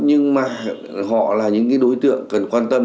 nhưng mà họ là những cái đối tượng cần quan tâm